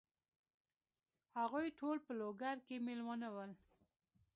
هغوی ټول په لوګر کې مېلمانه ول.